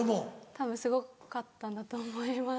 たぶんすごかったんだと思います。